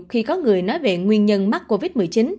khi có người nói về nguyên nhân mắc covid một mươi chín